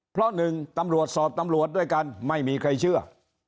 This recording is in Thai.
เพราะหนึ่งตำรวจสอบตำรวจด้วยกันไม่มีใครเชื่อ